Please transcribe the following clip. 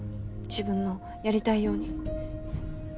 自分のやりたいように。